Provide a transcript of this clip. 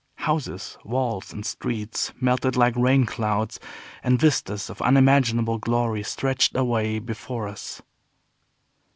Houses, walls, and streets melted like rain clouds, and vistas of unimaginable glory stretched away before us.